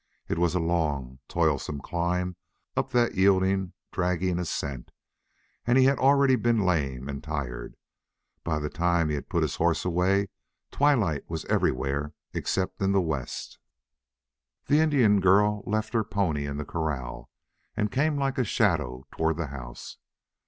It was a long, toilsome climb up that yielding, dragging ascent, and he had already been lame and tired. By the time he had put his horse away twilight was everywhere except in the west. The Indian girl left her pony in the corral and came like a shadow toward the house.